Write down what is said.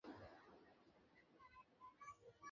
ধীরে ধীরে বেলুনটা ফুলতে থাকবে।